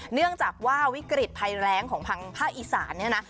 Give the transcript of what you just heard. เนื่องจากว่าวิกฤตภัยแรงของทางภาคอีสานเนี่ยนะ